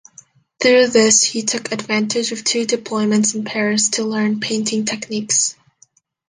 Through this, he took advantage of two deployments in Paris to learn painting techniques.